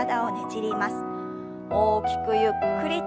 大きくゆっくりと。